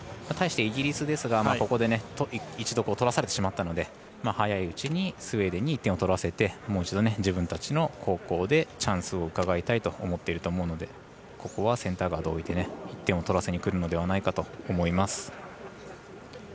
対して、イギリスですがここで一度取らされてしまったので早いうちにスウェーデンに１点を取らせてもう一度自分たちの後攻でチャンスをうかがいたいと思っていると思うのでここはセンターガードを置いて１点をとらせにくるのではないかと思います。